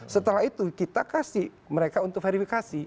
setelah itu kita kasih mereka untuk verifikasi